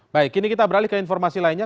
baik kini kita beralih ke informasi lainnya